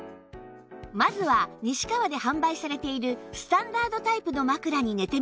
まずは西川で販売されているスタンダードタイプの枕に寝てみると